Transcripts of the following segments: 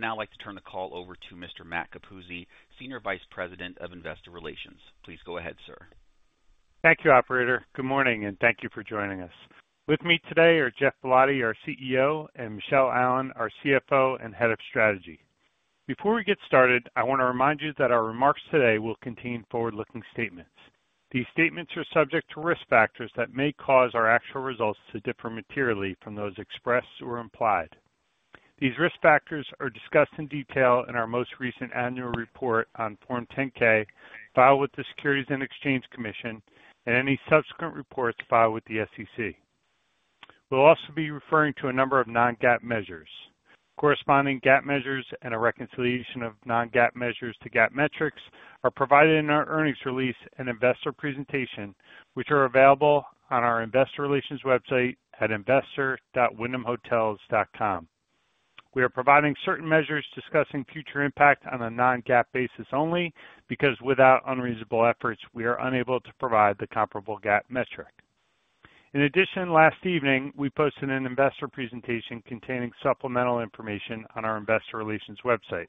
would now like to turn the call over to Mr. Matt Capuzzi, Senior Vice President of Investor Relations. Please go ahead, sir. Thank you, operator. Good morning, and thank you for joining us. With me today are Jeff Bellotti, our CEO and Michelle Allen, our CFO and Head of Strategy. Before we get started, I want to remind you that our remarks today will contain forward looking statements. These statements are subject to risk factors that may cause our actual results to differ materially from those expressed or implied. These risk factors are discussed in detail in our most recent annual report on Form 10 ks filed with the Securities and Exchange Commission and any subsequent reports filed with the SEC. We'll also be referring to a number of non GAAP measures. Corresponding GAAP measures and a reconciliation of non GAAP measures to GAAP metrics are provided in our earnings release and investor presentation, which are available on our Investor Relations website at investor.wyndhamhotels.com. We are providing certain measures discussing future impact on a non GAAP basis only because without unreasonable efforts, we are unable to provide the comparable GAAP metric. In addition, last evening, we posted an investor presentation containing supplemental information on our Investor Relations website.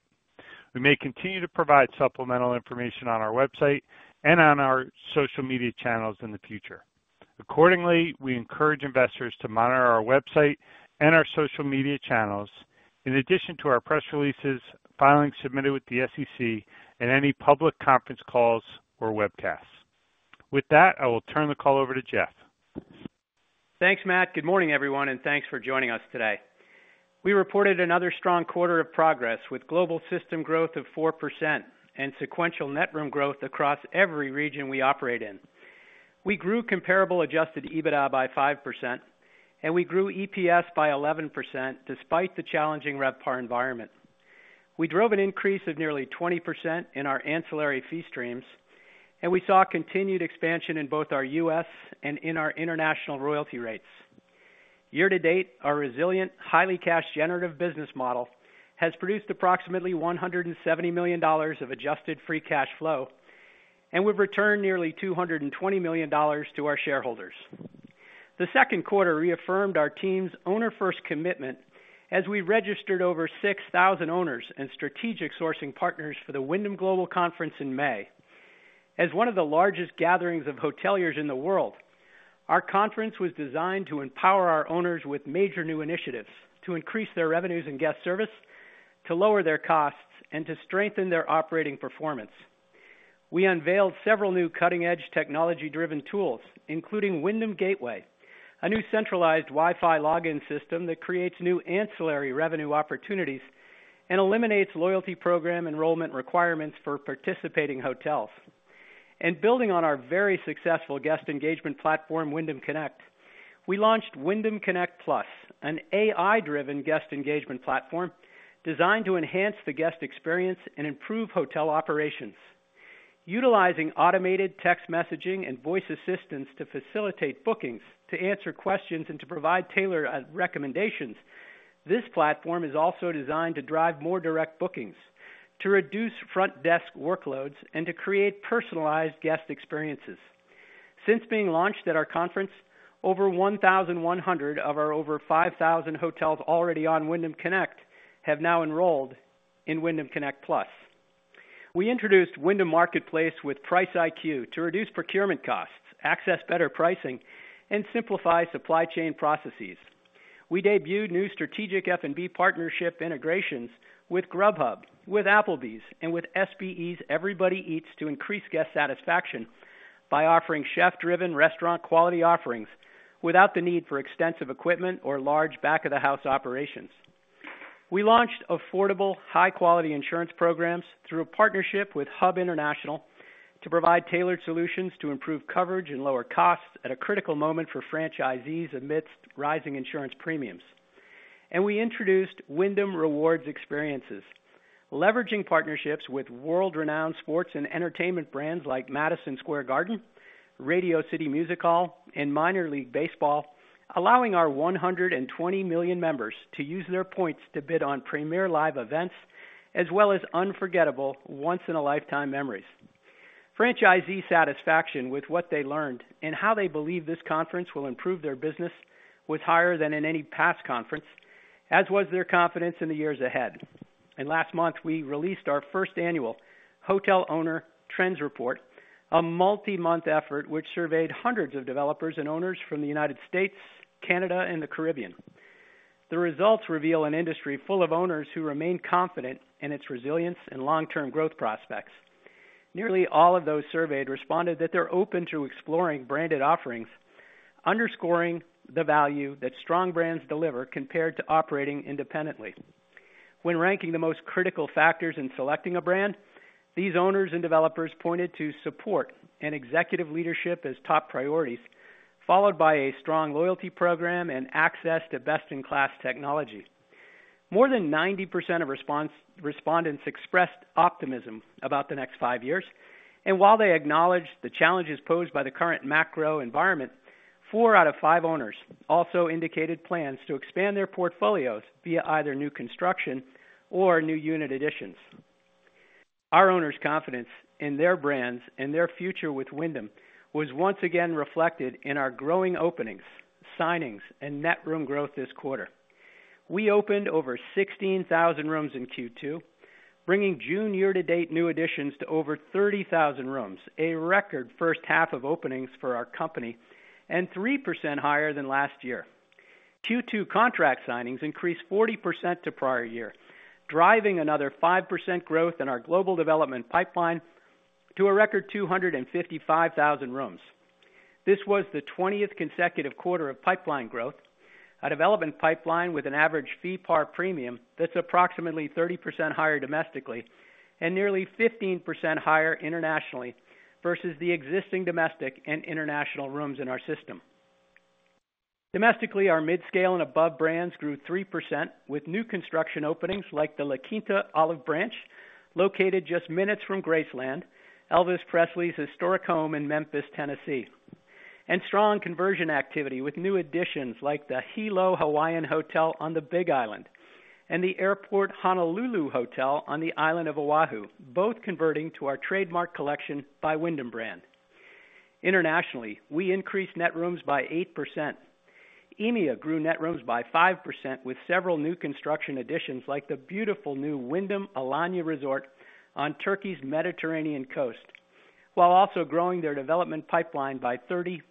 We may continue to provide supplemental information on our website and on our social media channels in the future. Accordingly, we encourage investors to monitor our website and our social media channels in addition to our press releases, filings submitted with the SEC and any public conference calls or webcasts. With that, I will turn the call over to Jeff. Thanks, Matt. Good morning, everyone, and thanks for joining us today. We reported another strong quarter of progress with global system growth of 4% and sequential net room growth across every region we operate in. We grew comparable adjusted EBITDA by 5%, and we grew EPS by 11% despite the challenging RevPAR environment. We drove an increase of nearly 20% in our ancillary fee streams, and we saw continued expansion in both our U. S. And in our international royalty rates. Year to date, our resilient, highly cash generative business model has produced approximately $170,000,000 of adjusted free cash flow, and we've returned nearly $220,000,000 to our shareholders. The second quarter reaffirmed our team's owner first commitment as we registered over 6,000 owners and strategic sourcing partners for the Wyndham Global Conference in May. As one of the largest gatherings of hoteliers in the world, our conference was designed to empower our owners with major new initiatives to increase their revenues in guest service, to lower their costs and to strengthen their operating performance. We unveiled several new cutting edge technology driven tools, including Wyndham Gateway, a new centralized WiFi login system that creates new ancillary revenue opportunities and eliminates loyalty program enrollment requirements for participating hotels. And building on our very successful guest engagement platform, Wyndham Connect, we launched Wyndham Connect Plus, an AI driven guest engagement platform designed to enhance the guest experience and improve hotel operations. Utilizing automated text messaging and voice assistance to facilitate bookings to answer questions and to provide tailored recommendations, this platform is also designed to drive more direct bookings, to reduce front desk workloads and to create personalized guest experiences. Since being launched at our conference, over 1,100 of our over 5,000 hotels already on Wyndham Connect have now enrolled in Wyndham Connect Plus. We introduced Wyndham Marketplace with PriceIQ to reduce procurement costs, access better pricing and simplify supply chain processes. We debuted new strategic F and B partnership integrations with Grubhub, with Applebee's and with SBE's Everybody Eats to increase guest satisfaction by offering chef driven restaurant quality offerings without the need for extensive equipment or large back of the house operations. We launched affordable high quality insurance programs through a partnership with Hub International to provide tailored solutions to improve coverage and lower costs at a critical moment for franchisees amidst rising insurance premiums. And we introduced Wyndham Rewards Experiences, leveraging partnerships with world renowned sports and entertainment brands like Madison Square Garden, Radio City Music Hall and Minor League Baseball, allowing our 120,000,000 members to use their points to bid on premier live events as well as unforgettable once in a lifetime memories. Franchisee satisfaction with what they learned and how they believe this conference will improve their business was higher than in any past conference as was their confidence in the years ahead. And last month, we released our first annual Hotel Owner Trends Report, a multi month effort which surveyed hundreds of developers and owners from The United States, Canada and The Caribbean. The results reveal an industry full of owners who remain confident in its resilience and long term growth prospects. Nearly all of those surveyed responded that they're open to exploring branded offerings, underscoring the value that strong brands deliver compared to operating independently. When ranking the most critical factors in selecting a brand, these owners and developers pointed to support and executive leadership as top priorities, followed by a strong loyalty program and access to best in class technology. More than 90% of respondents expressed optimism about the next five years. And while they acknowledge the challenges posed by the current macro environment, four out of five owners also indicated plans to expand their portfolios via either new construction or new unit additions. Our owners' confidence in their brands and their future with Wyndham was once again reflected in our growing openings, signings and net room growth this quarter. We opened over 16,000 rooms in Q2, bringing June year to date new additions to over 30,000 rooms, a record first half of openings for our company and 3% higher than last year. Q2 contract signings increased 40% to prior year, driving another 5% growth in our global development pipeline to a record 255,000 rooms. This was the twentieth consecutive quarter of pipeline growth, a development pipeline with an average fee par premium that's approximately 30% higher domestically and nearly 15% higher internationally versus the existing domestic and international rooms in our system. Domestically, our midscale and above brands grew 3% with new construction openings like the La Quinta Olive branch located just minutes from Graceland, Elvis Presley's historic home in Memphis, Tennessee and strong conversion activity with new additions like the Hilo Hawaiian Hotel on the Big Island and the Airport Honolulu Hotel on the Island Of Oahu, both converting to our trademark collection by Wyndham brand. Internationally, we increased net rooms by 8%. EMEA grew net rooms by 5% with several new construction additions like the beautiful new Wyndham Alanya Resort on Turkey's Mediterranean Coast, while also growing their development pipeline by 34%.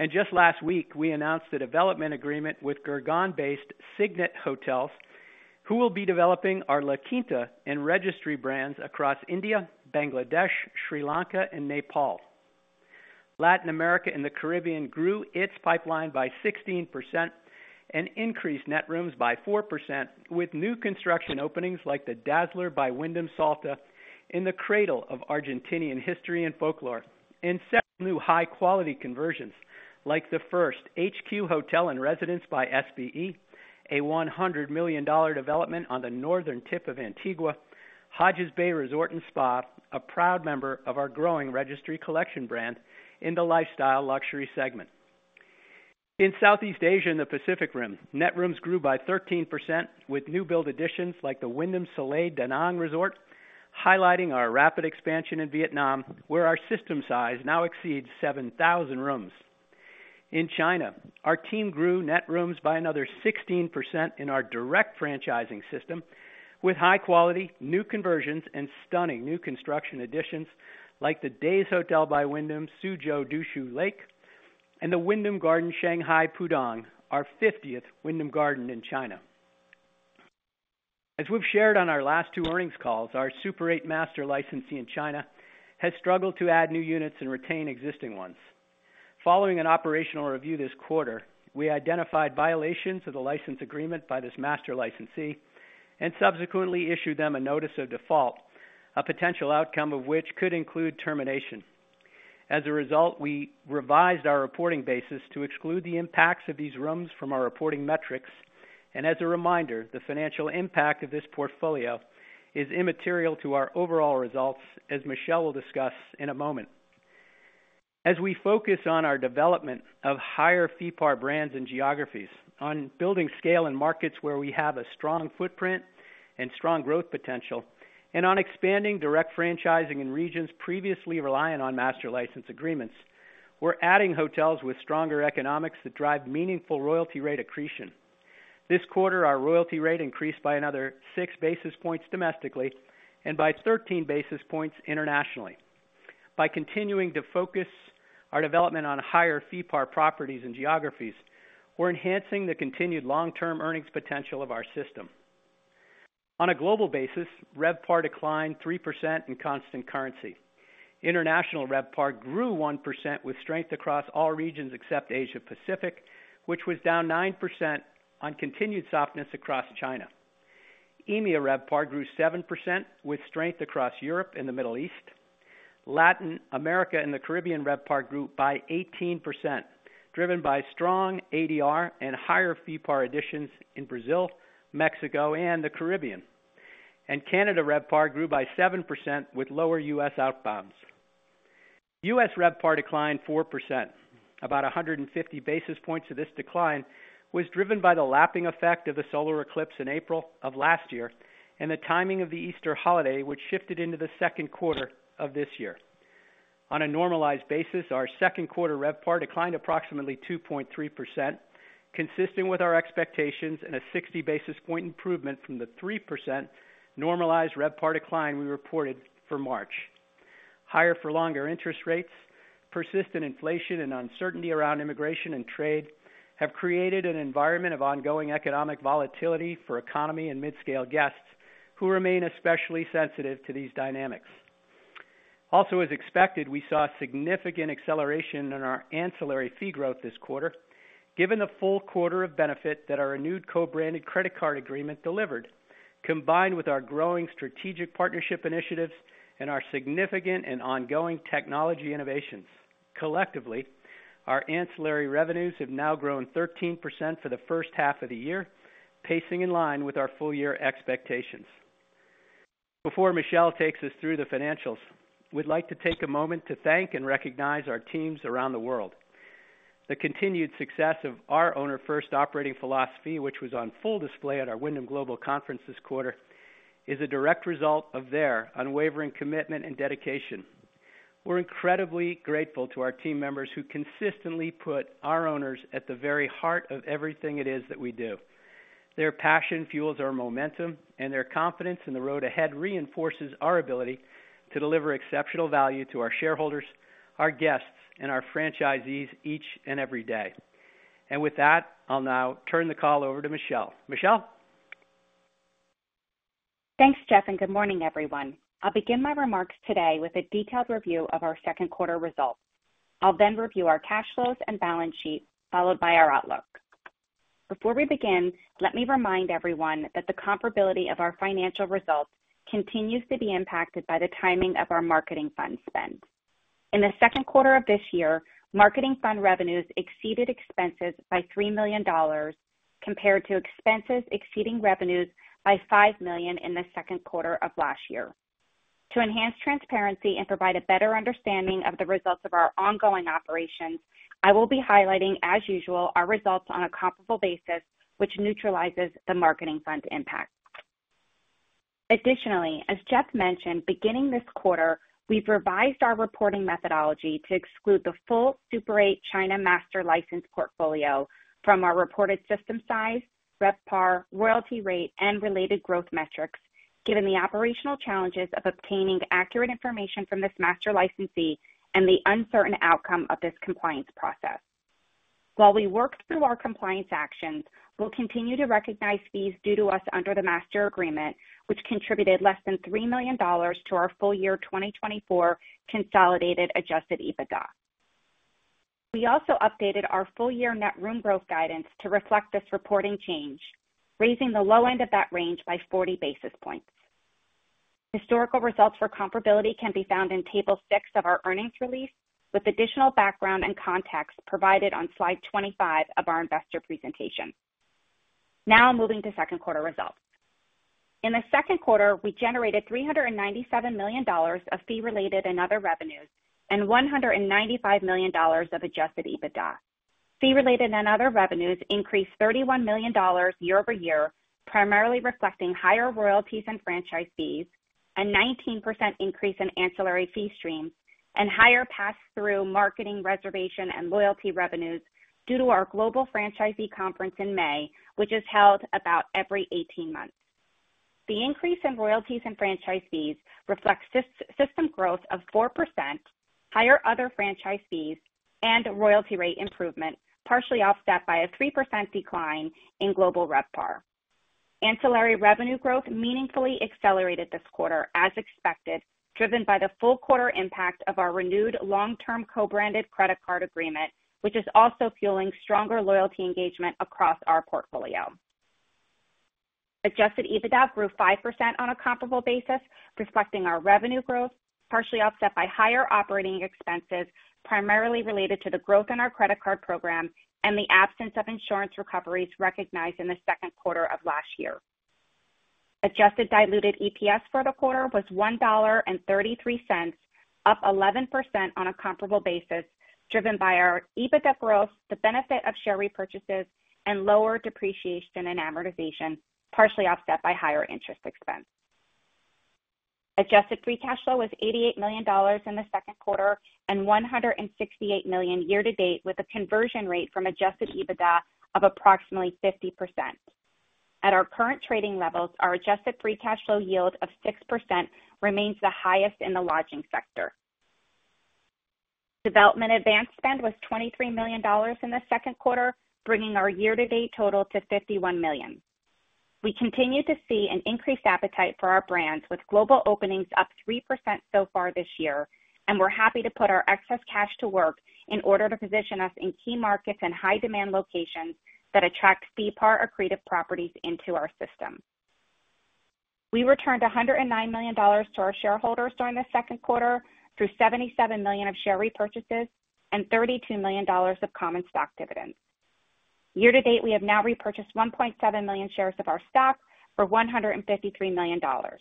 And just last week, we announced the development agreement with Gurgaon based Signet Hotels, who will be developing our La Quinta and Registry brands across India, Bangladesh, Sri Lanka and Nepal. Latin America and The Caribbean grew its pipeline by 16% and increased net rooms by 4% with new construction openings like the Dazzler by Wyndham Salta in the cradle of Argentinian history and folklore and several new high quality conversions like the first HQ Hotel in Residence by SBE, a $100,000,000 development on the northern tip of Antigua Hodges Bay Resort and Spa, a proud member of our growing Registry Collection brand the Lifestyle Luxury segment. In Southeast Asia and The Pacific Rim, net rooms grew by 13% with new build additions like the Wyndham Soleil Da Nang Resort, highlighting our rapid expansion in Vietnam where our system size now exceeds 7,000 rooms. In China, our team grew net rooms by another 16% in our direct franchising system with high quality new conversions and stunning new construction additions like the Days Hotel by Wyndham Suzhou Dushu Lake and the Wyndham Garden Shanghai Pudong, our fiftieth Wyndham Garden in China. As we've shared on our last two earnings calls, our Super eight master licensee in China has struggled to add new units and retain existing ones. Following an operational review this quarter, we identified violations of the license agreement by this master licensee and subsequently issued them a notice of default, a potential outcome of which could include termination. As a result, we revised our reporting basis to exclude the impacts of these rooms from our reporting metrics. And as a reminder, the financial impact of this portfolio is immaterial to our overall results as Michelle will discuss in a moment. As we focus on our development of higher fee par brands and geographies, on building scale in markets where we have a strong footprint and strong growth potential and on expanding direct franchising in regions previously reliant on master license agreements, we're adding hotels with stronger economics that drive meaningful royalty rate accretion. This quarter, our royalty rate increased by another six basis points domestically and by 13 basis points internationally. By continuing to focus our development on higher fee par properties and geographies, we're enhancing the continued long term earnings potential of our system. On a global basis, RevPAR declined 3% in constant currency. International RevPAR grew 1% with strength across all regions except Asia Pacific, which was down 9% on continued softness across China. EMEA RevPAR grew 7% with strength across Europe and The Middle East. Latin America and The Caribbean RevPAR grew by 18% driven by strong ADR and higher fee par additions in Brazil, Mexico and The Caribbean. And Canada RevPAR grew by 7% with lower U. S. Outbounds. U. S. RevPAR declined 4%. About 150 basis points of this decline was driven by the lapping effect of the solar eclipse in April and the timing of the Easter holiday, which shifted into the second quarter of this year. On a normalized basis, our second quarter RevPAR declined approximately 2.3%, consistent with our expectations and a 60 basis point improvement from the 3% normalized RevPAR decline we reported for March. Higher for longer interest rates, persistent inflation and uncertainty around immigration and trade have created an environment of ongoing economic volatility for economy and mid scale guests who remain especially sensitive to these dynamics. Also as expected, we saw significant acceleration in our ancillary fee growth this quarter, given the full quarter of benefit that our renewed co branded credit card agreement delivered, combined with our growing strategic partnership initiatives and our significant and ongoing technology innovations. Collectively, our ancillary revenues have now grown 13% for the first half of the year, pacing in line with our full year expectations. Before Michelle takes us through the financials, we'd like to take a moment to thank and recognize our teams around the world. The continued success of our OwnerFirst operating philosophy, which was on full display at our Wyndham Global Conference this quarter, is a direct result of their unwavering commitment and dedication. We're incredibly grateful to our team members who consistently put our owners at the very heart of everything it is that we do. Their passion fuels our momentum and their confidence in the road ahead reinforces our ability to deliver exceptional value to our shareholders, our guests and our franchisees each and every day. And with that, I'll now turn the call over to Michelle. Michelle? Thanks, Jeff, and good morning, everyone. I'll begin my remarks today with a detailed review of our second quarter results. I'll then review our cash flows and balance sheet followed by our outlook. Before we begin, let me remind everyone that the comparability of our financial results continues to be impacted by the timing of our marketing fund spend. In the second quarter of this year, marketing fund revenues exceeded expenses by $3,000,000 compared to expenses exceeding revenues by $5,000,000 in the second quarter of last year. To enhance transparency and provide a better understanding of the results of our ongoing operations, I will be highlighting as usual our results on a comparable basis, which neutralizes the marketing fund impact. Additionally, as Jeff mentioned, beginning this quarter, we've revised our reporting methodology to exclude the full Super eight China Master License portfolio from our reported system size, RevPAR, royalty rate and related growth metrics, given the operational challenges of obtaining accurate information from this master licensee and the uncertain outcome of this compliance process. While we work through our compliance actions, we'll continue to recognize fees due to us under the master agreement, which contributed less than $3,000,000 to our full year 2024 consolidated adjusted EBITDA. We also updated our full year net room growth guidance to reflect this reporting change, raising the low end of that range by 40 basis points. Historical results for comparability can be found in Table six of our earnings release with additional background and context provided on Slide 25 of our investor presentation. Now moving to second quarter results. In the second quarter, we generated $397,000,000 of fee related and other revenues and $195,000,000 of adjusted EBITDA. Fee related and other revenues increased $31,000,000 year over year, primarily reflecting higher royalties and franchise fees and 19% increase in ancillary fee stream and higher pass through marketing reservation and loyalty revenues due to our global franchisee conference in May, which is held about every eighteen months. The increase in royalties and franchise fees reflects system growth of 4%, higher other franchise fees and royalty rate improvement, partially offset by a 3% decline in global RevPAR. Ancillary revenue growth meaningfully accelerated this quarter as expected, driven by the full quarter impact of our renewed long term co branded credit card agreement, which is also fueling stronger loyalty engagement across our portfolio. Adjusted EBITDA grew 5% on a comparable basis, reflecting our revenue growth, partially offset by higher operating expenses, primarily related to the growth in our credit card program and the absence of insurance recoveries recognized in the second quarter of last year. Adjusted diluted EPS for the quarter was $1.33 up 11% on a comparable basis, driven by our EBITDA growth, the benefit of share repurchases and lower depreciation and amortization, partially offset by higher interest expense. Adjusted free cash flow was $88,000,000 in the second quarter and $168,000,000 year to date with a conversion rate from adjusted EBITDA of approximately 50%. At our current trading levels, our adjusted free cash flow yield of 6% remains the highest in the lodging sector. Development advanced spend was $23,000,000 in the second quarter, bringing our year to date total to $51,000,000 We continue to see an increased appetite for our brands with global openings up 3% so far this year and we're happy to put our excess cash to work in order to position us in key markets and high demand locations that attract BPAR accretive properties into our system. We returned $109,000,000 to our shareholders during the second quarter through $77,000,000 of share repurchases and $32,000,000 of common stock dividends. Year to date, we have now repurchased 1,700,000.0 shares of our stock for $153,000,000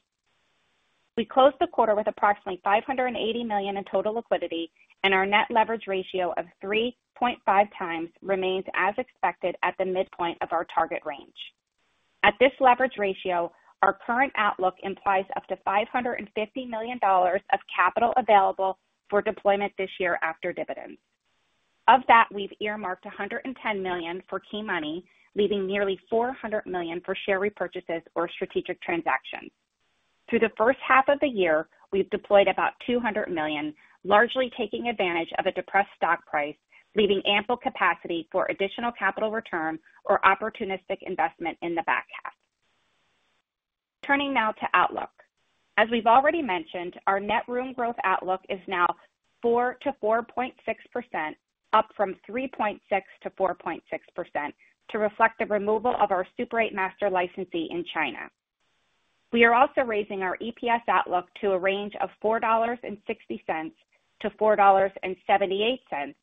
We closed the quarter with approximately $580,000,000 in total liquidity and our net leverage ratio of 3.5x remains as expected at the midpoint of our target range. At this leverage ratio, our current outlook implies up to $550,000,000 of capital available for deployment this year after dividends. Of that, we've earmarked $110,000,000 for key money, leaving nearly $400,000,000 for share repurchases or strategic transactions. Through the first half of the year, we've deployed about $200,000,000 largely taking advantage of a depressed stock price, leaving ample capacity for additional capital return or opportunistic investment in the back half. Turning now to outlook. As we've already mentioned, our net room growth outlook is now 4% to 4.6%, up from 3.6% to 4.6% to reflect the removal of our Super eight Master licensee in China. We are also raising our EPS outlook to a range of $4.6 to $4.78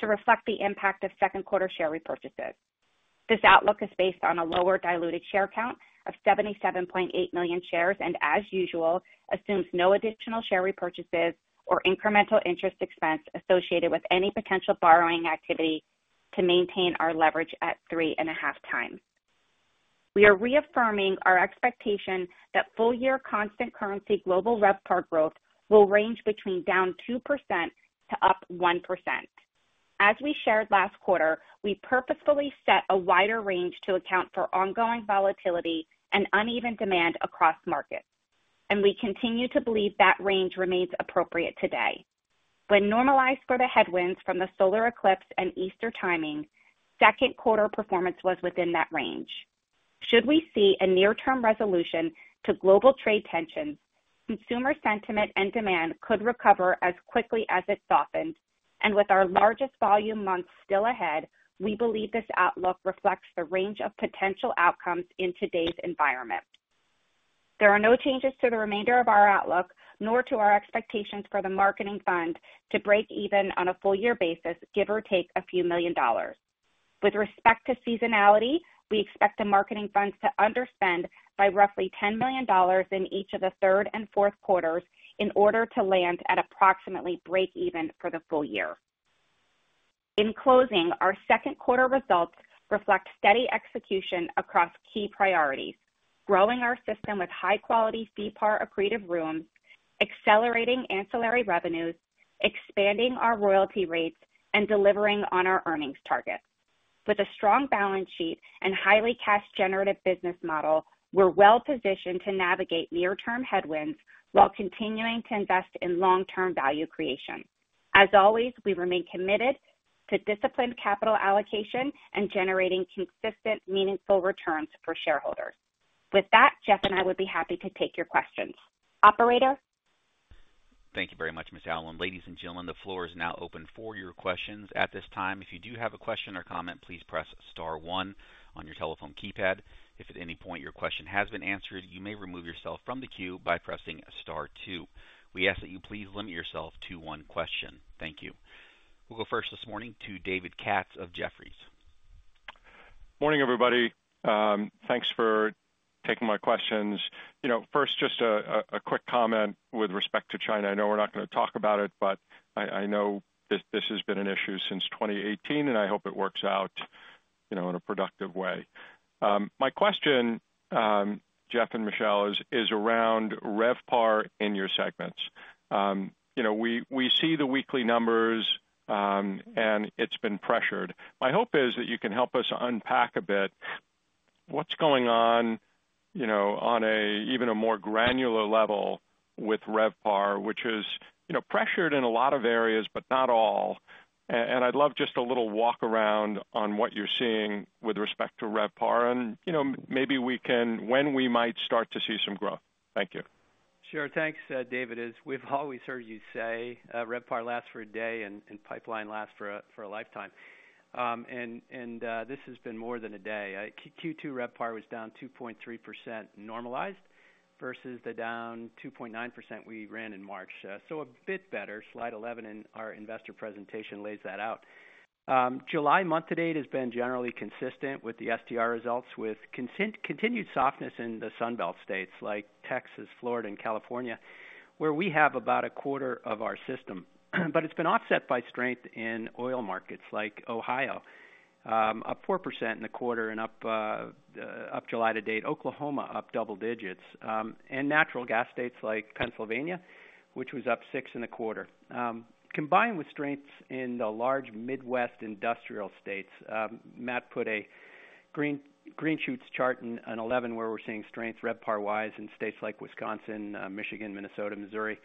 to reflect the impact of second quarter share repurchases. This outlook is based on a lower diluted share count of 77,800,000 shares and as usual assumes no additional share repurchases or incremental interest expense associated with any potential borrowing activity to maintain our leverage at 3.5 times. We are reaffirming our expectation that full year constant currency global RevPAR growth will range between down 2% to up 1%. As we shared last quarter, we purposefully set a wider range to account for ongoing volatility and uneven demand across markets. And we continue to believe that range remains appropriate today. When normalized for the headwinds from the solar eclipse and Easter timing, second quarter performance was within that range. Should we see a near term resolution to global trade tensions, consumer sentiment and demand could recover as quickly as it softened and with our largest volume months still ahead, we believe this outlook reflects the range of potential outcomes in today's environment. There are no changes to the remainder of our outlook nor to our expectations for the marketing fund to breakeven on a full year basis give or take a few million dollars. With respect to seasonality, we expect the marketing funds to underspend by roughly $10,000,000 in each of the third and fourth quarters in order to land at approximately breakeven for the full year. In closing, our second quarter results reflect steady execution across key priorities, growing our system with high quality CPAR accretive rooms, accelerating ancillary revenues, expanding our royalty rates and delivering on our earnings target. With a strong balance sheet and highly cash generative business model, we're well positioned to navigate near term headwinds, while continuing to invest in long term value creation. As always, we remain committed to disciplined capital allocation and generating consistent meaningful returns for shareholders. With that, Jeff and I would be happy to take your questions. Operator? Thank you very much, Ms. Allen. Ladies and gentlemen, the floor is now open for your questions. We'll go first this morning to David Katz of Jefferies. Good morning, everybody. Thanks for taking my questions. First, just a quick comment with respect to China. I know we're not going to talk about it, but I know this has been an issue since 2018 and I hope it works out in a productive way. My question, Jeff and Michelle, is around RevPAR in your segments. We see the weekly numbers, and it's been pressured. My hope is that you can help us unpack a bit what's going on a even a more granular level with RevPAR, which is pressured in a lot of areas, but not all. And I'd love just a little walk around on what you're seeing with respect to RevPAR and maybe we can when we might start to see some growth? Thank you. Sure. Thanks, David. As we've always heard you say RevPAR lasts for a day and pipeline lasts for a lifetime. And this has been more than a day. Q2 RevPAR was down 2.3% normalized versus the down 2.9% we ran in March. So a bit better. Slide 11 in our investor presentation lays that out. July month to date has been generally consistent with the STR results with continued softness in the Sunbelt states like Texas, Florida and California, where we have about onefour of our system. But it's been offset by strength in oil markets like Ohio, up 4% in the quarter and up July to date Oklahoma, up double digits and natural gas states like Pennsylvania, which was up 6% the quarter. Combined with strengths in the large Midwest industrial states, Matt put a green shoots chart in 11 where we're seeing strengths RevPAR wise in states like Wisconsin, Michigan, Minnesota, Missouri,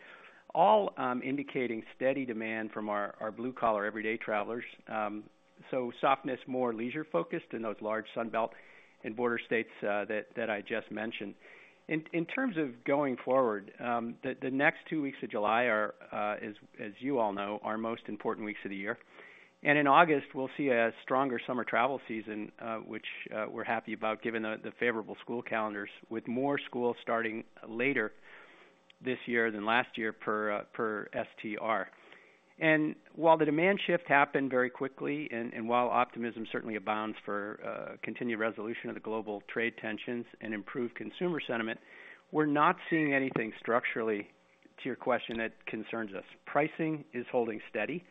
all indicating steady demand from our blue collar everyday travelers. So softness more leisure focused in those large Sunbelt and border states that I just mentioned. In terms of going forward, the next two weeks of July are as you all know our most important weeks of the year. And in August, we'll see a stronger summer travel season, which we're happy about given the favorable school calendars with more schools starting later this year than last year per STR. And while the demand shift happened very quickly and while optimism certainly abounds for continued resolution of the global trade tensions and improved consumer sentiment, we're not seeing anything structurally, to your question that concerns us. Pricing is holding steady.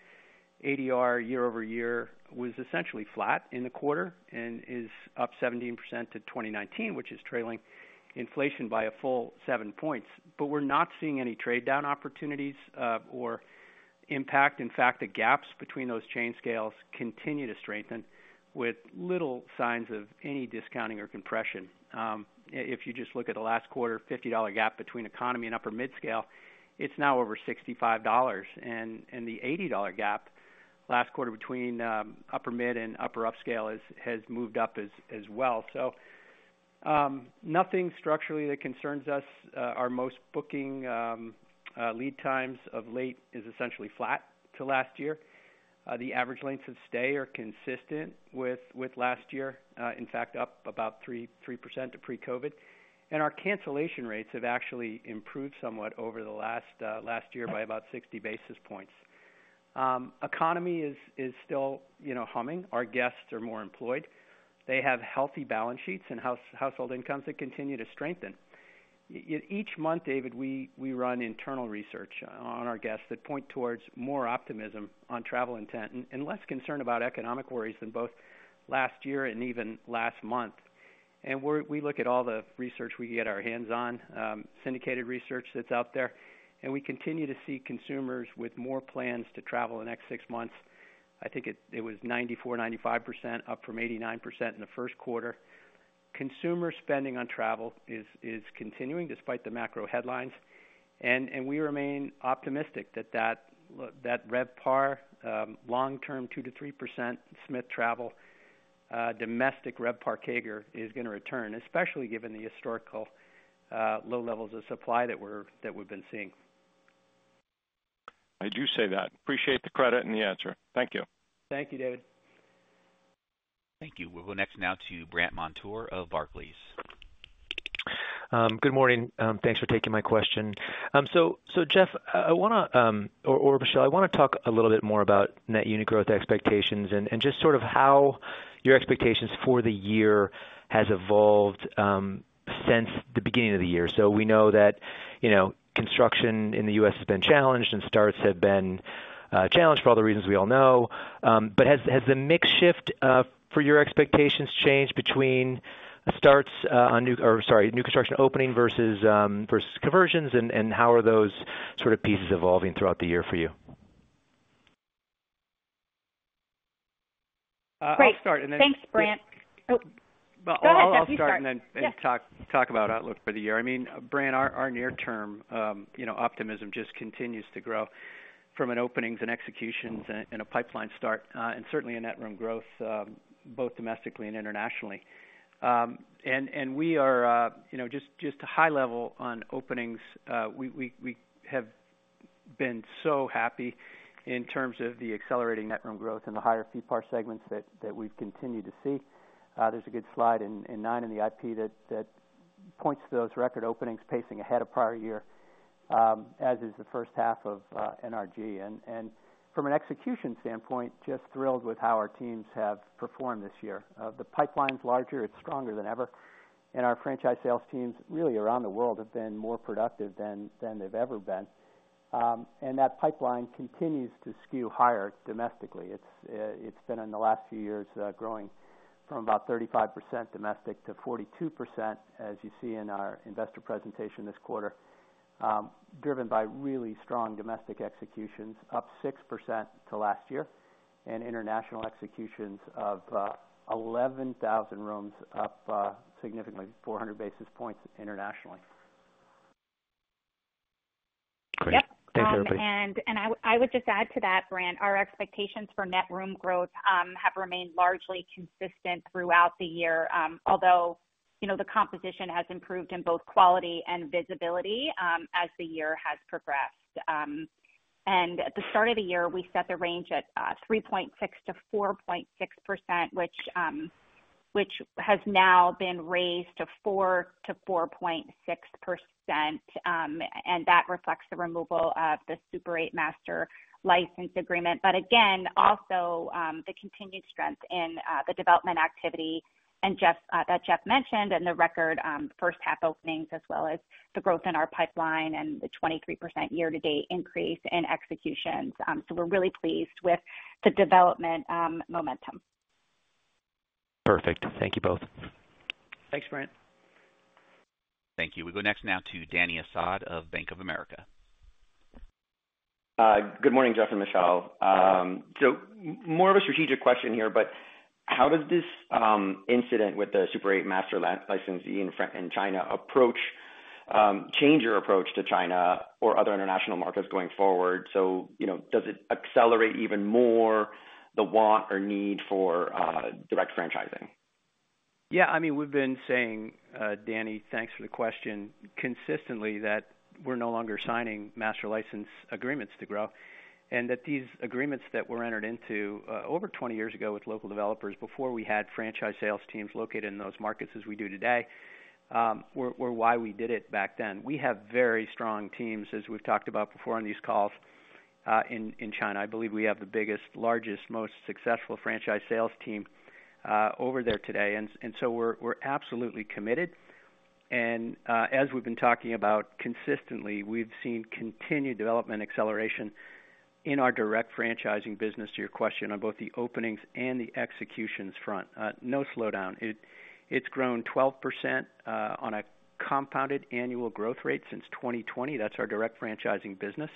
ADR year over year was essentially flat in the quarter and is up 17% to 2019, which is trailing inflation by a full seven points. But we're not seeing any trade down opportunities or impact. In fact, the gaps between those chain scales continue to strengthen with little signs of any discounting or compression. If you just look at the last quarter, 50 gap between economy and upper midscale, it's now over $65 And the $80 gap last quarter between upper mid and upper upscale has moved up as well. So nothing structurally that concerns us. Our most booking lead times of late is essentially flat to last year. The average length of stay are consistent with last year, in fact, up about three percent pre COVID. And our cancellation rates have actually improved somewhat over the last year by about 60 basis points. Economy is still humming. Our guests are more employed. They have healthy balance sheets and household incomes that continue to strengthen. Each month, David, we run internal research on our guests that point towards more optimism on travel intent and less concern about economic worries than both last year and even last month. And we look at all the research we can get our hands on, syndicated research that's out there. And we continue to see consumers with more plans to travel in next six months. I think it was 94%, 95%, up from 89% in the first quarter. Consumer spending on travel is continuing despite the macro headlines. And we remain optimistic that, that RevPAR long term 2% to 3% Smith Travel domestic RevPAR CAGR is going to return, especially given the historical low levels of supply that we've been seeing. I do say that. Appreciate the credit and the answer. Thank you. Thank you, David. Thank you. We'll go next now to Brent Montour of Barclays. Good morning. Thanks for taking my question. So Jeff, I want to or Michelle, want to talk a little bit more about net unit growth expectations and just sort of how your expectations for the year has evolved since the beginning of the year? So we know that construction in The U. S. Has been challenged and starts have been challenged for all the reasons we all know. But has the mix shift for your expectations changed between starts on new or sorry, new construction opening versus conversions? And how are those sort of pieces evolving throughout the year for you? Great. Thanks, Brent. I'll start and then talk about outlook for the year. I mean, Brent, near term optimism just continues to grow from an openings and executions and a pipeline start and certainly a net room growth both domestically and internationally. And we are just a high level on openings, we have been so happy in terms of the accelerating net room growth in the higher fee par segments that we've continued to see. There's a good slide in nine in the IP that points to those record openings pacing ahead of prior year as is first half of NRG. From an execution standpoint, just thrilled with how our teams have performed this year. The pipeline is larger. It's stronger than ever. And our franchise sales teams really around the world have been more productive than they've ever been. And that pipeline continues to skew higher domestically. It's been in the last few years growing from about 35% domestic to 42%, as you see in our investor presentation this quarter, driven by really strong domestic executions, up 6% to last year and international executions of 11,000 rooms, up significantly 400 basis points internationally. Great. And Thanks, I would just add to that, Brandt. Our expectations for net room growth have remained largely consistent throughout the year, although the composition has improved in both quality and visibility as the year has progressed. And at the start of the year, we set the range at 3.6% to 4.6%, which has now been raised to 4% to 4.6%, and that reflects the removal of the Super eight Master license agreement. But again, also the continued strength in the development activity and Jeff that Jeff mentioned and the record first half openings as well as the growth in our pipeline and the 23% year to date increase in executions. So we're really pleased with the development momentum. We go next now to Danny Asad of Bank of America. Good morning, Jeff and Michelle. So more of a strategic question here, but how does this incident with the Super eight master licensee in China approach change your approach to China or other international markets going forward? So does it accelerate even more the want or need for direct franchising? Yes. I mean, we've been saying, Danny, thanks for the question, consistently that we're no longer signing master license agreements to grow. And that these agreements that were entered into over twenty years ago with local developers before we had franchise sales teams located in those markets as we do today were why we did it back then. We have very strong teams as we've talked about before on these calls in China. I believe we have the biggest, largest, most successful franchise sales team over there today. So we're absolutely committed. And as we've been talking about consistently, we've seen continued development acceleration in our direct franchising business to your question on both the openings and the executions front. No slowdown. It's grown 12% on a compounded annual growth rate since 2020. That's our direct franchising business.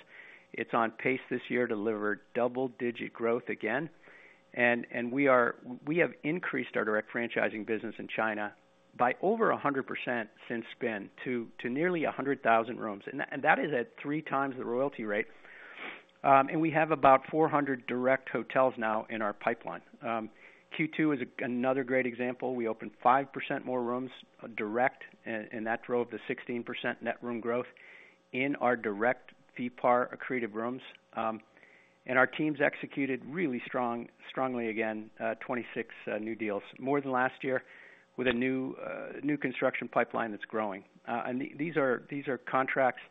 It's on pace this year, delivered double digit growth again. And we are we have increased our direct franchising business in China by over 100% since spin to nearly 100,000 rooms. And that is at three times the royalty rate. And we have about 400 direct hotels now in our pipeline. Q2 is another great example. We opened 5% more rooms direct and that drove the 16% net room growth in our direct VPAR accretive rooms. And our teams executed really strongly again 26 new deals more than last year with a new construction pipeline that's growing. And these are contracts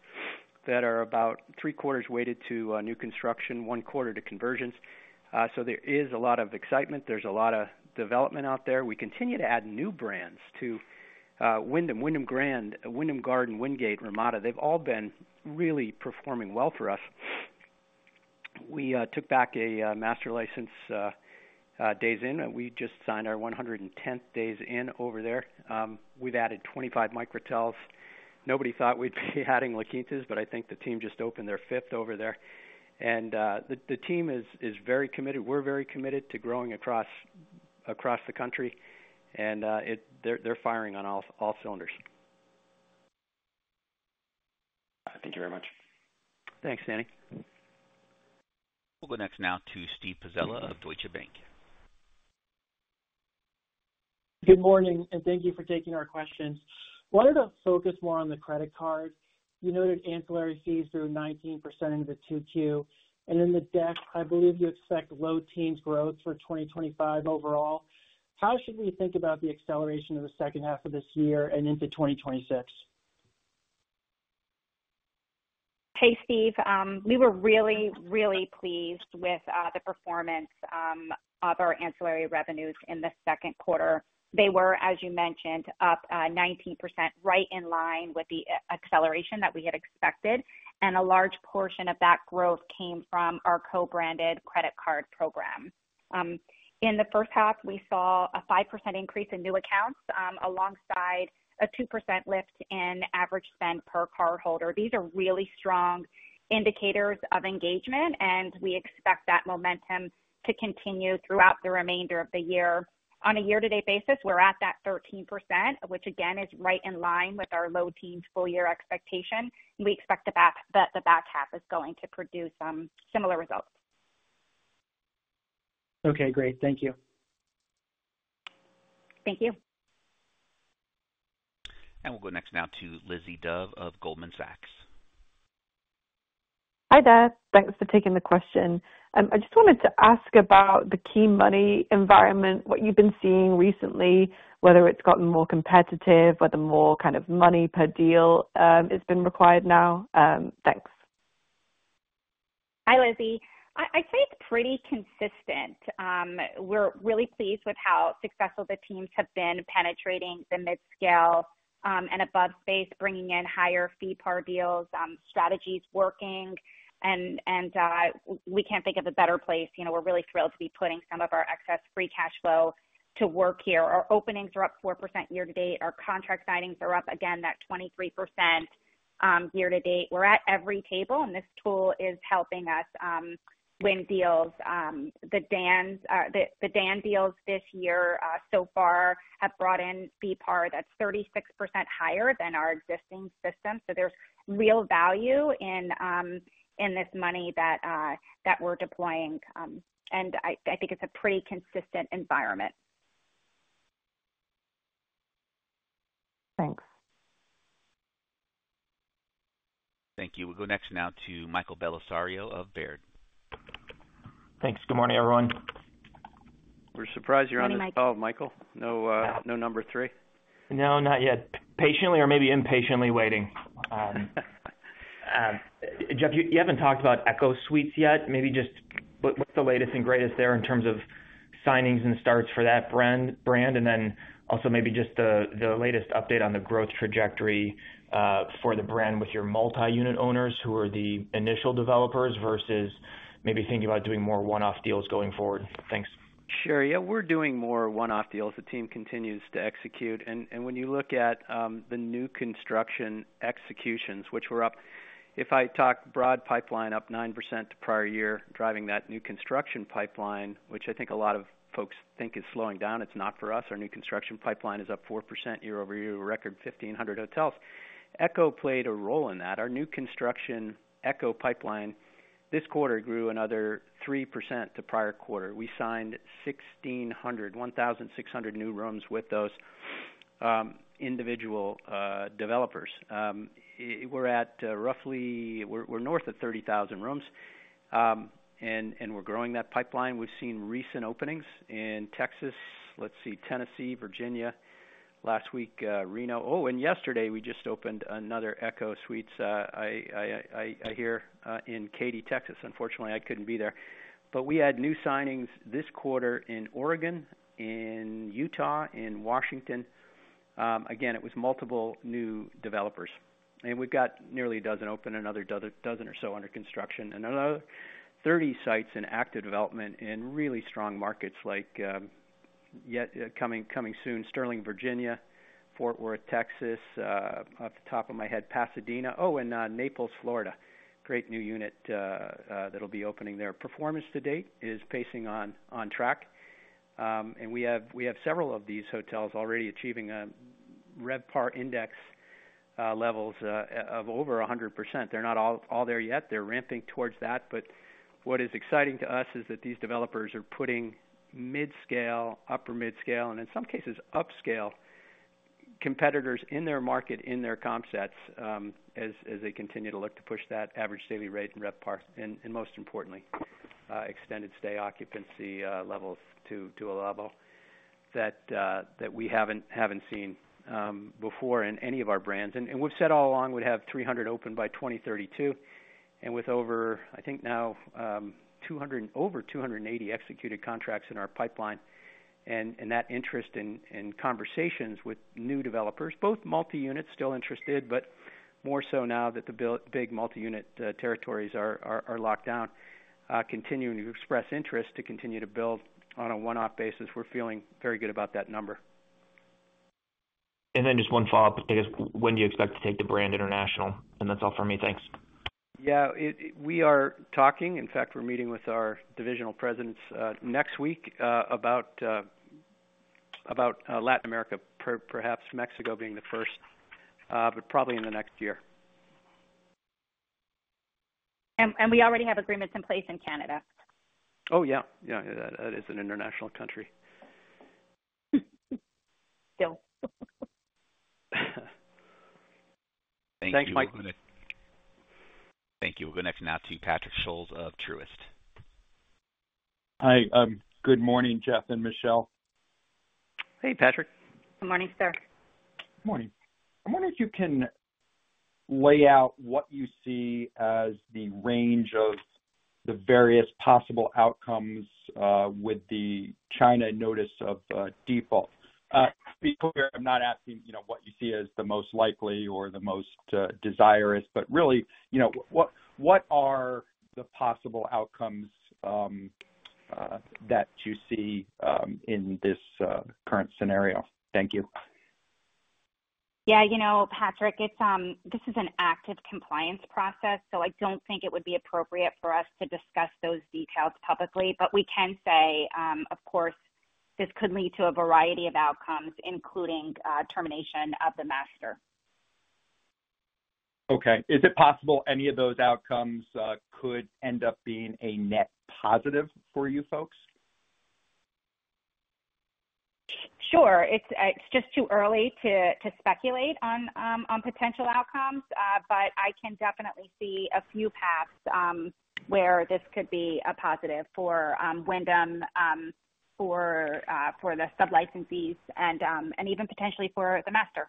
that are about three quarters weighted to new construction, one quarter to conversions. So there is a lot of excitement. There's a lot of development out there. We continue to add new brands to Wyndham, Wyndham Grand, Wyndham Garden, Wingate, Ramada. They've all been really performing well for us. We took back a master license days in. We just signed our one hundred and tenth days in over there. We've added 25 microteles. Nobody thought we'd be adding La Quinta's, but I think the team just opened their fifth over there. And the team is very committed. We're very committed to growing across the country. And they're firing on all cylinders. Thank you very much. Thanks, Danny. We'll go next now to Steve Pizzella of Deutsche Bank. Good morning and thank you for taking our questions. Wanted to focus more on the credit card. You noted ancillary fees through 19% into 2Q. And in the deck, I believe you expect low teens growth for 2025 overall. How should we think about the acceleration of the second half of this year and into 2026? Hey, Steve. We were really, really pleased with the performance of our ancillary revenues in the second quarter. They were, as you mentioned, up 19%, right in line with the acceleration that we had expected. And a large portion of that growth came from our co branded credit card program. In the first half, we saw a 5% increase in new accounts alongside a 2% lift in average spend per cardholder. These are really strong indicators of engagement, and we expect that momentum to continue throughout the remainder of the year. On a year to date basis, we're at that 13%, which again is right in line with our low teens full year expectation, and we expect that the back half is going to produce similar results. Okay, great. Thank you. Thank you. And we'll go next now to Lizzie Dove of Goldman Sachs. Hi, there. Thanks for taking the question. I just wanted to ask about the key money environment, what you've been seeing recently, whether it's gotten more competitive, whether more kind of money per deal has been required now? Thanks. Hi, Lizzie. I'd say it's pretty consistent. We're really pleased with how successful the teams have been penetrating the midscale and above space, bringing in higher fee par deals, strategies working. And we can't think of a better place. We're really thrilled to be putting some of our excess free cash flow to work here. Our openings are up 4% year to date. Our contract signings are up again at 23% year to date. We're at every table, and this tool is helping us win deals. The DAN deals this year so far have brought in BPAR that's 36% higher than our existing system. So there's real value in this money that we're deploying. And I think it's a pretty consistent environment. Thanks. Thank you. We'll go next now to Michael Bellisario of Baird. Thanks. Good morning everyone. Surprised you're on a call Michael. No No, number not yet. Patiently or maybe impatiently waiting. Jeff, you haven't talked about Echo Suites yet. Maybe just what's the latest and greatest there in terms of signings and starts for that brand? And then also maybe just the latest update on the growth trajectory for the brand with your multiunit owners who are the initial developers versus maybe thinking about doing more one off deals going forward? Thanks. Sure. Yes, we're doing more one off deals. The team continues to execute. And when you look at the new construction executions, which were up if I talk broad pipeline up 9% to prior year, driving that new construction pipeline, which I think a lot of folks think is slowing down. It's not for us. Our new construction pipeline is up 4% year over year, a record 1,500 hotels. Echo played a role in that. Our new construction Echo pipeline this quarter grew another 3% to prior quarter. We signed 1,600, 1,600 new rooms with those individual developers. We're at roughly we're north of 30,000 rooms and we're growing that pipeline. We've seen recent openings in Texas, let's see Tennessee, Virginia last week Reno. Oh! And yesterday, we just opened another Echo Suites, I hear, in Katy, Texas. Unfortunately, I couldn't be there. But we had new signings this quarter in Oregon, in Utah, in Washington. Again, it was multiple new developers. And we've got nearly a dozen open, another dozen or so under construction and another 30 sites in active development in really strong markets like yet coming soon Sterling, Virginia Fort Worth, Texas off the top of my head Pasadena and Naples, Florida, great new unit that will be opening there. Performance to date is pacing on track. And we have several of these hotels already achieving RevPAR index levels of over 100. They're not all there yet. They're ramping towards that. But what is exciting to us is that these developers are putting midscale, upper midscale and in some cases upscale competitors in their market in their comp sets as they continue to look to push that average daily rate in RevPAR and most importantly extended stay occupancy levels to a level that we haven't seen before in any of our brands. And we've said all along we'd have 300 opened by 02/1932. And with over I think now over two eighty executed contracts in our pipeline And that interest in conversations with new developers, both multi units still interested, but more so now that the big multi unit territories are locked down, continuing to express interest to continue to build on a one off basis, we're feeling very good about that number. And then just one follow-up. I guess when do you expect to take the brand international? And that's all for me. Thanks. Yes. We are talking. In fact, we're meeting with our divisional presidents next week about Latin America, perhaps Mexico being the first, but probably in the next year. And we already have agreements in place in Canada? Yes. Yes. It's an international country. We'll Thank go next now to Patrick Scholes of Truist. Hi. Good morning, Jeff and Michelle. Hey, Patrick. Good morning, sir. Good morning. I'm wondering if you can lay out what you see as the range of the various possible outcomes with the China notice of default. To be clear, I'm not asking what you see as the most likely or the most desirous, but really, what are the possible outcomes that you see in this current scenario? Thank you. Yes. Patrick, it's this is an active compliance process. So I don't think it would be appropriate for us to discuss those details publicly. But we can say, of course, this could lead to a variety of outcomes, including termination of the master. Okay. Is it possible any of those outcomes could end up being a net positive for you folks? Sure. It's just too early to speculate on potential outcomes, but I can definitely see a few paths where this could be a positive for Wyndham, for the sub licensees and even potentially for the master.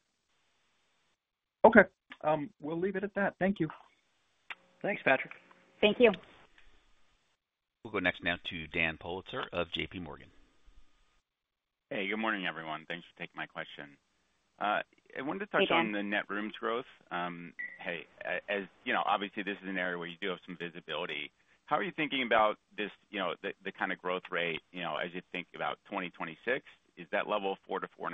Okay. We'll leave it at that. Thank you. Thanks, Patrick. Thank you. We'll go next now to Dan Politzer of JPMorgan. Hey, good morning, everyone. Thanks for taking my question. Wanted to touch on the net rooms growth. This is an area where you do have some visibility. How are you thinking about this the kind of growth rate as you think about 2026? Is that level 4% to 4.5%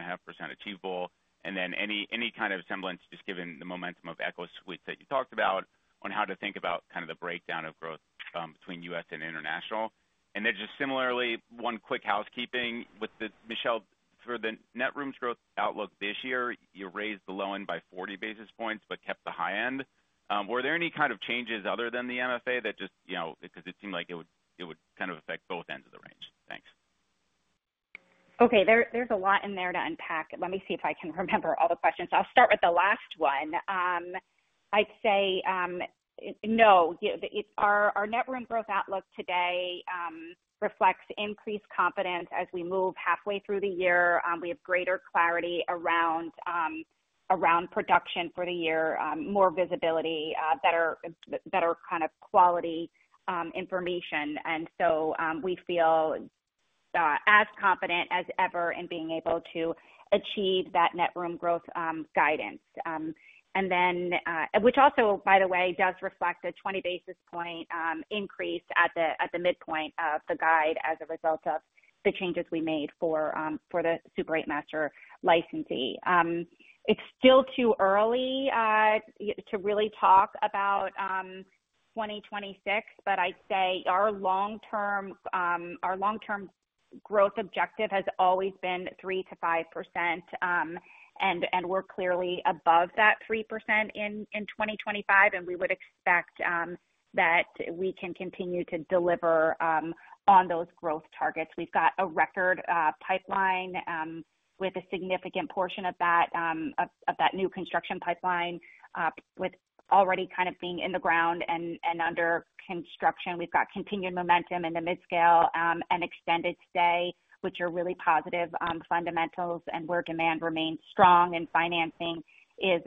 achievable? And then any kind of semblance just given the momentum of Echo Suite that you talked about on how to think about kind of the breakdown of growth between U. S. And international? And then just similarly, one quick housekeeping with the Michelle, for the net rooms growth outlook this year, you raised the low end by 40 basis points, but kept the high end. Were there any kind of changes other than the MFA that just because it seemed like it would kind of affect both ends of the range? Thanks. Okay. There's a lot in there to unpack. Let me see if I can remember all the questions. I'll start with the last one. I'd say, no, our net room growth outlook today reflects increased confidence as we move halfway through the year. We have greater clarity around production for the year, more visibility, better kind of quality information. And so we feel as confident as ever in being able to achieve that net room growth guidance. And then which also, by the way, does reflect a 20 basis point increase at the midpoint of the guide as a result of the changes we made for the Super eight Master licensee. It's still too early to really talk about 2026, but I'd say our term growth objective has always been 3% to 5%, and we're clearly above that 3% in 2025, and we would expect that we can continue to deliver on those growth targets. We've got a record pipeline with a significant portion of that new construction pipeline with already kind of being in the ground and under construction. We've got continued momentum in the midscale and extended stay, which are really positive fundamentals and where demand remains strong and financing is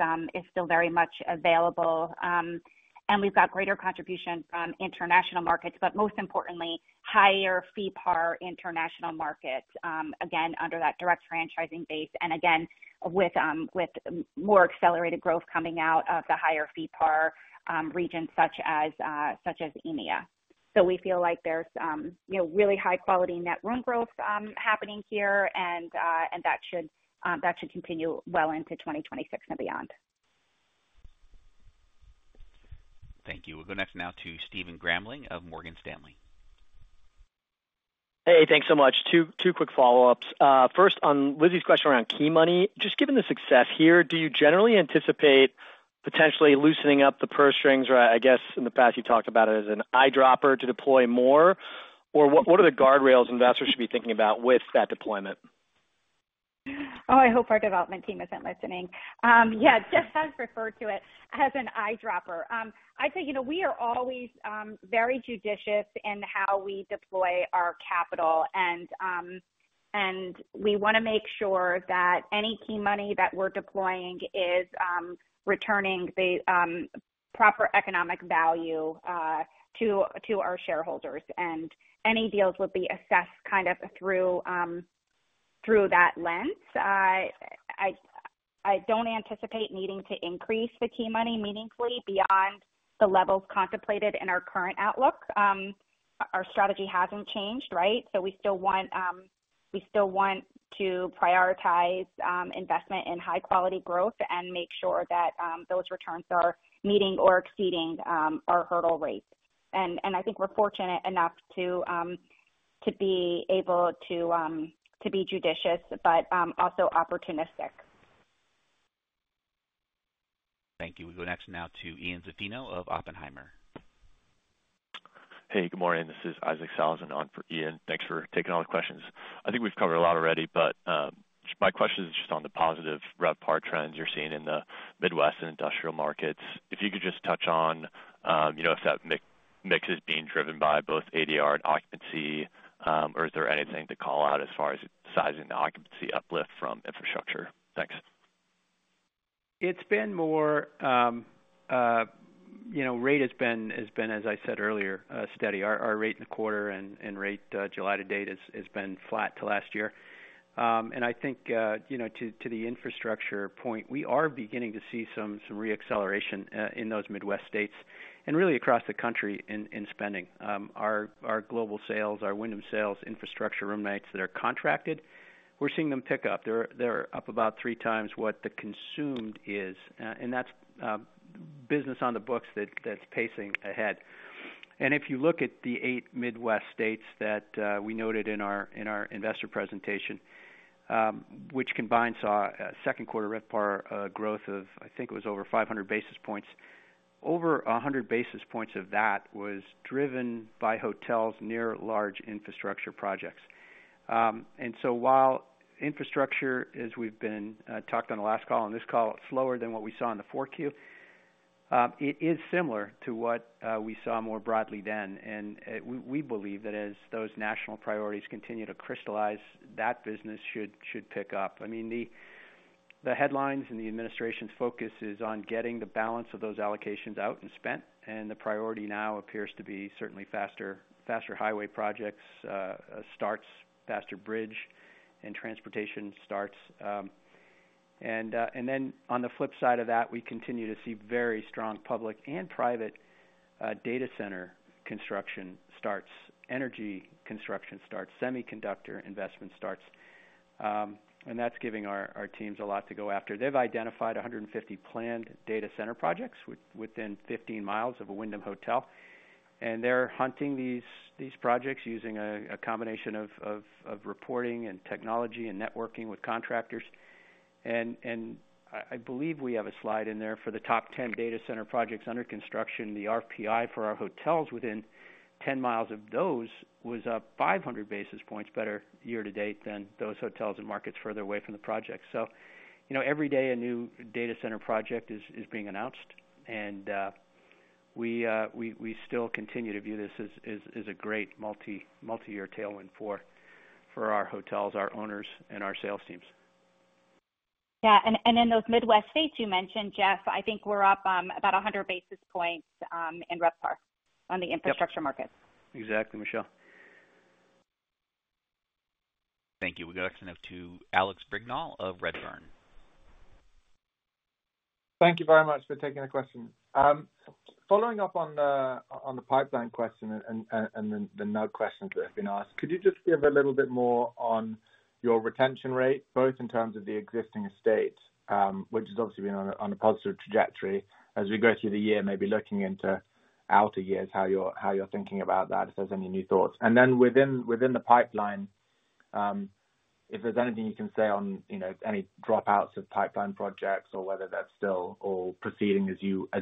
still very much available. And we've got greater contribution from international markets, but most importantly, fee par international markets, again, under that direct franchising base and again, with more accelerated growth coming out of the higher fee par regions such as EMEA. So we feel like there's really high quality net room growth happening here and that should continue well into 2026 and beyond. Thank you. We'll go next now to Stephen Grambling of Morgan Stanley. Hey, thanks so much. Two quick follow ups. First on Lizzie's question around key money. Just given the success here, do you generally anticipate potentially loosening up the purse strings? I guess, in the past, talked about it as an eyedropper to deploy more? Or what are the guardrails investors should be thinking about with that deployment? I hope our development team isn't listening. Yes, Jeff has referred to it as an eyedropper. I'd say we are always very judicious in how we deploy our capital. And we want to make sure that any key money that we're deploying is returning the proper economic value to our shareholders. And any deals would be assessed kind of through that lens. I don't anticipate needing to increase the key money meaningfully beyond the levels contemplated in our current outlook. Our strategy hasn't changed, right? So we still want to prioritize investment in high quality growth and make sure that those returns are meeting or exceeding our hurdle rates. And I think we're fortunate enough to be able to be judicious, but also opportunistic. Thank you. We'll go next now to Ian Zaffino of Oppenheimer. Hey, good morning. This is Isaac Salazan Thanks for taking all the questions. I think we've covered a lot already, but my question is just on the positive RevPAR trends you're seeing in the Midwest and industrial markets. If you could just touch on if that mix is being driven by both ADR and occupancy? Or is there anything to call out as far as sizing the occupancy uplift from infrastructure? Thanks. It's been more rate has been, as I said earlier, steady. Our rate in the quarter and rate July to date has been flat to last year. And I think to the infrastructure point, we are beginning to see some reacceleration in those Midwest states and really across the country in spending. Our global sales, our Wyndham sales infrastructure room nights that are contracted, we're seeing them pick up. They're up about three times what the consumed is. And that's business on the books that's pacing ahead. And if you look at the eight Midwest states that we noted in our investor presentation, which combined saw second quarter RevPAR growth of I think it was over 500 basis points, over 100 basis points of that was driven by hotels near large infrastructure projects. And so while infrastructure as we've been talked on the last call and this call slower than what we saw in the 4Q, it is similar to what we saw more broadly then. And we believe that as those national priorities continue to crystallize that business should pick up. I mean the headlines and the administration's focus is on getting the balance of those allocations out and spent. And the priority now appears to be certainly faster highway projects starts, faster bridge and transportation starts. And then on the flip side of that, we continue to see very strong public and private data center construction starts, energy construction starts, semiconductor investment starts. And that's giving our teams a lot to go after. They've identified 150 planned data center projects within 15 miles of a Wyndham hotel. And they're hunting these projects using a combination of reporting and technology and networking with contractors. And I believe we have a slide in there for the top 10 data center projects under construction. The RPI for our hotels within 10 miles of those was up 500 basis points better year to date than those hotels and markets further away from the project. So every day a new data center project is being announced. And we still continue to view this as a great multiyear tailwind for our hotels, our owners and our sales teams. Yes. And in those Midwest states you mentioned, Jeff, I think we're up about 100 basis points in RevPAR the infrastructure market. Exactly, Michel. Thank you. We'll go next to Brignall of Redburn. Thank you very much for taking the question. Following up on the pipeline question and the nug questions that have been asked, could you just give a little bit more on your retention rate, both in terms of the existing estate, which has obviously been on a positive trajectory as we go through the year, maybe looking into outer years, how you're thinking about that, if there's any new thoughts? And then within the pipeline, if there's anything you can say on any dropouts of pipeline projects or whether that's still all proceeding as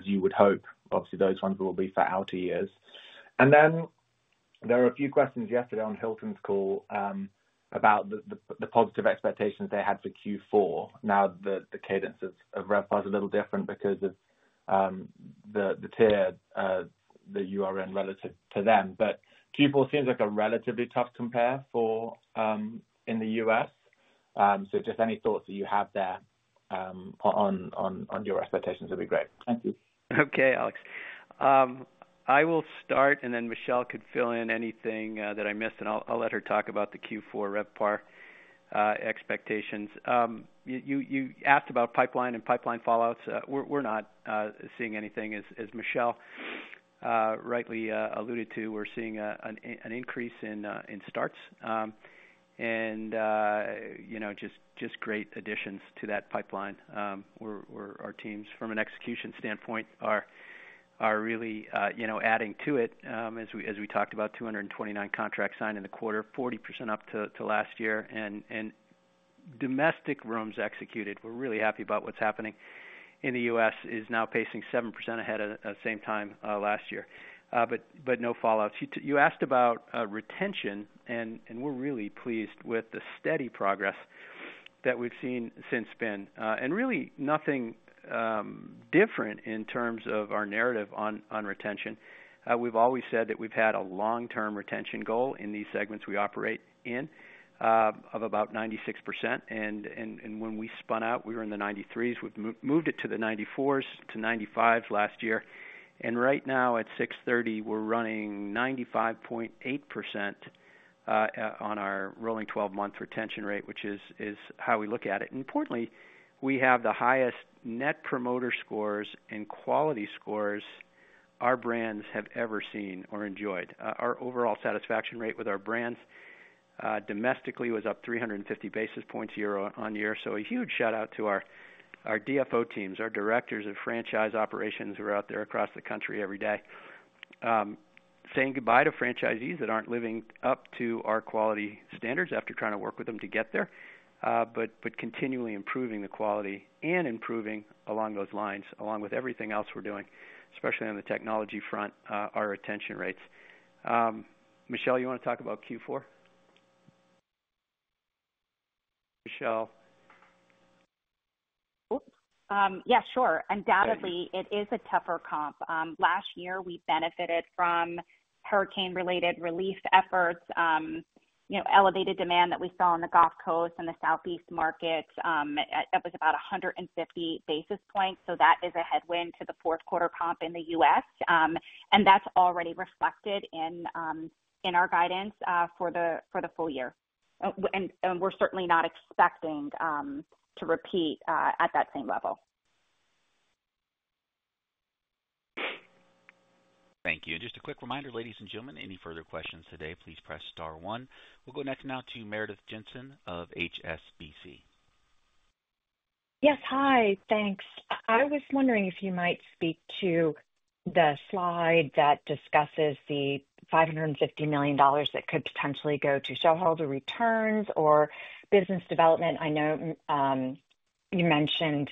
you would hope. Obviously, ones will be for outer years. And then there are a few questions yesterday on Hilton's call about the positive expectations they had for Q4. Now the cadence of RevPAR is a little different because of the tier that you are in relative to them. But Q4 seems like a relatively tough compare for in The U. S. So just any thoughts that you have there your expectations would be great. Thank you. Okay, Alex. I will start and then Michelle could fill in anything that I missed and I'll let her talk about the Q4 RevPAR expectations. You asked about pipeline and pipeline fallouts. We're not seeing anything. As Michelle rightly alluded to, we're seeing an increase in starts and just great additions to that pipeline. Our teams from an execution standpoint are really adding to it. As we talked about two twenty nine contracts signed in the quarter, 40% up to last year and domestic rooms executed. We're really happy about what's happening in The U. S. Is now pacing 7% ahead of same time last year, but no fallouts. You asked about retention, and we're really pleased with the steady progress that we've seen since spin. And really nothing different in terms of our narrative on retention. We've always said that we've had a long term retention goal in these segments we operate in of about 96%. And when we spun out, we were in the 93 s. We've moved it to the 94 s to 95% s last year. And right now at sixthirty, we're running 95.8% on our rolling twelve month retention rate, which is how we look at it. Importantly, we have the highest net promoter scores and quality scores our brands have ever seen or enjoyed. Our overall satisfaction rate with our brands domestically was up three fifty basis points year on year. So a huge shout out to our DFO teams, our directors of franchise operations who are out there across the country every day. Saying goodbye to franchisees that aren't living up to our quality standards after trying to work with them to get there, but continually improving the quality and improving along those lines along with everything else we're doing, especially on the technology front, our retention rates. Michelle, you want to talk about Q4? Michelle? Yes, sure. Undoubtedly, it is a tougher comp. Last year, we benefited from hurricane related relief efforts, elevated demand that we saw in the Gulf Coast and the Southeast market. That was about 150 basis points. So that is a headwind to the fourth quarter comp in The U. S. And that's already reflected in our guidance for the full year. And we're certainly not expecting to repeat at that same level. Thank you. We'll go next now to Meredith Jensen of HSBC. Yes. Hi. Thanks. I was wondering if you might speak to the slide that discusses the $550,000,000 that could potentially go to shareholder returns or business development? I know you mentioned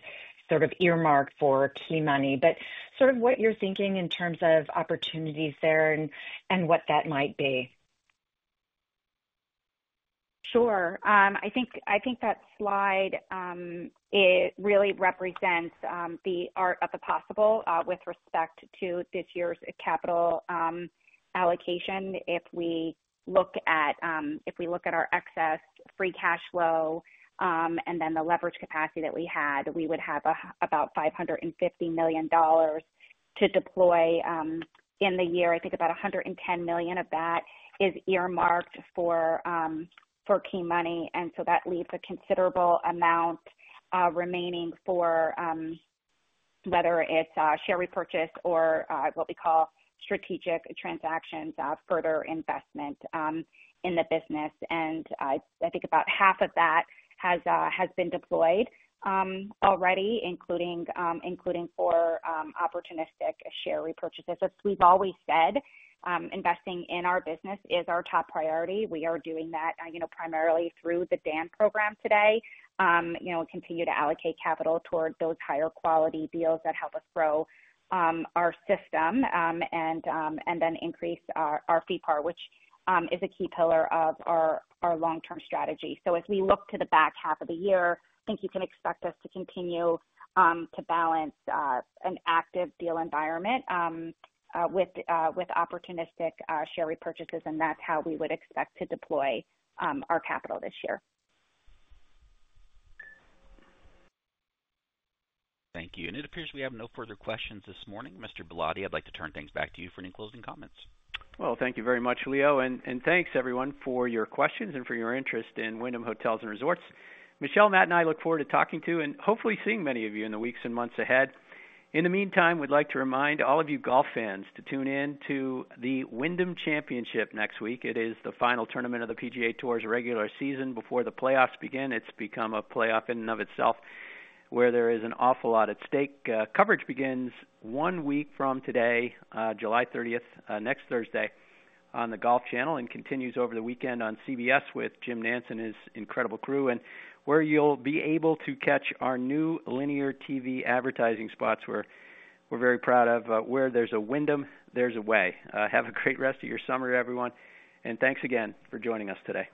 sort of earmarked for t money, but sort of what you're thinking in terms of opportunities there and what that might be? Sure. I think that slide really represents the art of the possible with respect to this year's capital allocation. Look at our excess free cash flow and then the leverage capacity that we had, we would have about $550,000,000 to deploy in the year. I think about $110,000,000 of is earmarked for key money. And so that leaves a considerable amount remaining for whether it's share repurchase or what we call strategic transactions further investment in the business. And I think about half of that has been deployed already including for opportunistic share repurchases. As we've always said, investing in our business is our top priority. We are doing that primarily through the DAN program today. Continue to allocate capital toward those higher quality deals that help us grow our system and then increase our fee part, which is a key pillar of our long term strategy. So as we look to the back half of the year, I think you can expect us to continue to balance an active deal environment with opportunistic share repurchases and that's how we would expect to deploy our capital this year. Thank you. And it appears we have no further questions this morning. Mr. Bilotti, I'd like to turn things back to you for any closing comments. Well, thank you very much, Leo, and thanks everyone for your questions and for your interest in Wyndham Hotels and Resorts. Michelle, Matt and I look forward to talking to you and hopefully seeing many of you in the weeks and months ahead. In the meantime, we'd like to remind all of you golf fans to tune in to the Wyndham Championship next week. It is the final tournament of the PGA Tour's regular season before the playoffs begin. It's become a playoff in and of itself where there is an awful lot at stake. Coverage begins one week from today, July 30, next Thursday on the Golf Channel and continues over the weekend on CBS with Jim Nance and his incredible crew and where you'll be able to catch our new linear TV advertising spots where we're very proud of where there's a Wyndham, there's a way. Have a great rest of your summer everyone and thanks again for joining us today.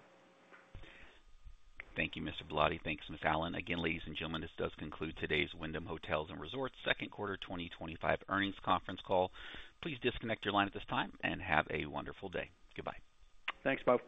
Thank you, Mr. Blotti. Thanks, Ms. Allen. Again, ladies and gentlemen, this does conclude today's Wyndham Hotels and Resorts second quarter twenty twenty five earnings conference call. Please disconnect your line at this time and have a wonderful day. Goodbye. Thanks, Bob.